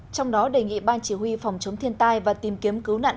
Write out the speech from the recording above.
trong đó đề nghị ban chỉ huy phòng chống thiên tai và tìm kiếm cứu nạn